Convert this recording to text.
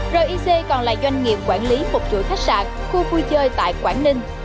ric còn là doanh nghiệp quản lý phục vụ khách sạn khu vui chơi tại quảng ninh